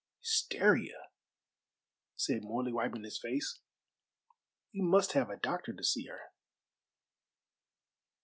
"Hysteria," said Morley, wiping his face, "we must have a doctor to see her."